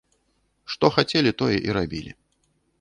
Што хацелі, тое і рабілі.